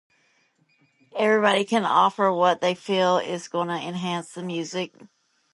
Everybody can offer what they feel is gonna enhance the music.